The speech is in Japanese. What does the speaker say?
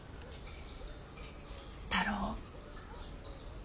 太郎。